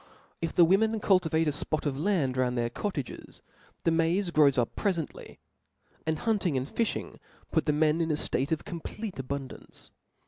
If the women cultivate a fpof of land round their cottages, tl^e maiz grows up prefently •, and hunting and fi(h ing puts the men in a ftate pf complete abun (3ance.